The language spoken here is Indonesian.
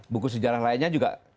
buku sejarah lainnya juga